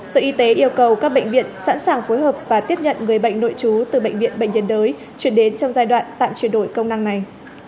sở y tế yêu cầu các bệnh viện sẵn sàng phối hợp và tiếp nhận người bệnh nội trú từ bệnh viện bệnh nhân đới chuyển đến trong giai đoạn tạm chuyển đổi công năng này